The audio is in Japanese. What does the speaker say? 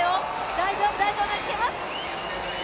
大丈夫、大丈夫、いけます！